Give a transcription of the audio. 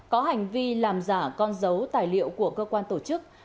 có hành vi làm giả con dấu tài liệu của cơ quan tổ chức